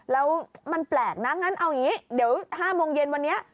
แล้วมันแปลกนะงั้นเอาอย่างนี้เดี๋ยว๕โมงเย็นวันนี้